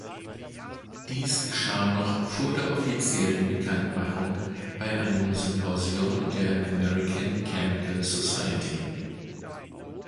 Dies geschah noch vor der offiziellen Bekanntmachung bei einem Symposium der American Chemical Society.